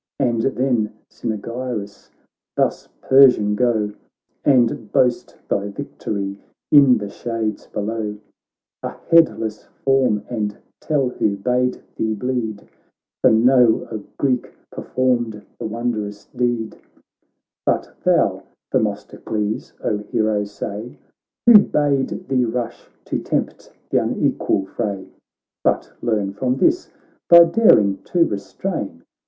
And then Cynaegirus :' Thus, Persian, go And boast thy victory in the shades below, A headless form, and tell who bade thee bleed, For know a Greek performed the won drous deed : But thou, Themistocles, O hero! say Who bade thee rush, to tempt th' unequal fray! But learn from this thy daring to restrain.